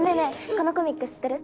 このコミック知ってる？